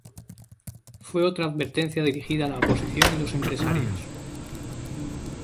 Fue otra advertencia dirigida a la oposición y los empresarios.